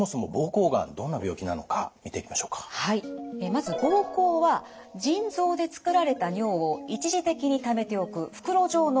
まず膀胱は腎臓で作られた尿を一時的にためておく袋状の臓器です。